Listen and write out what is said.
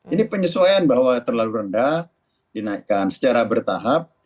ini penyesuaian bahwa terlalu rendah dinaikkan secara bertahap